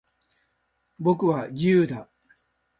僕は、自由だ。